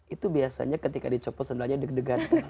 itu biasanya ketika dicopot sendalnya deg degan